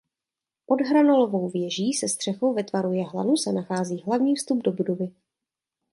Pod hranolovou věží se střechou ve tvaru jehlanu se nachází hlavní vstup do budovy.